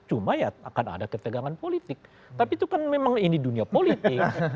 cuma ya akan ada ketegangan politik tapi itu kan memang ini dunia politik